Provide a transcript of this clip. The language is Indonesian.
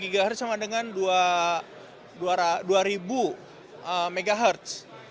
dua ghz sama dengan dua ribu mhz